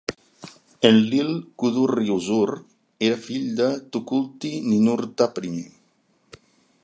Enlil-kudurri-usur era fill de Tukulti-Ninurta I.